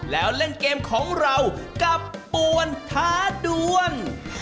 แล้วเล่นเกมของเรากับปวนท้าดวง